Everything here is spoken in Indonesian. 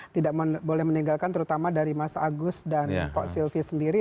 tidak boleh meninggalkan terutama dari mas agus dan pak silvi sendiri